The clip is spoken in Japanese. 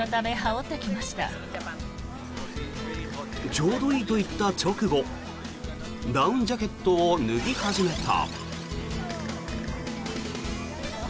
ちょうどいいと言った直後ダウンジャケットを脱ぎ始めた。